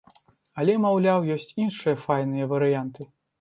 Але, маўляў, ёсць іншыя файныя варыянты.